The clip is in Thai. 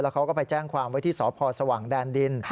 เขาก็ไปแจ้งความไว้ที่สพสว่างแดนดิน